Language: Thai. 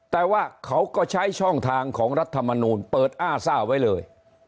แต่ว่าเขาก็ใช้ช่องทางของรัฐมนูลเปิดอ้าซ่าไว้เลย